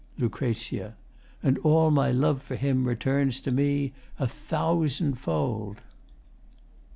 LUC. And all my love for him returns to me A thousandfold!